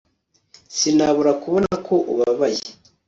Sinabura kubona ko ubabaye